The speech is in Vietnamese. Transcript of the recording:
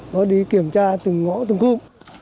nó đi kiểm tra từng ngõ từng khung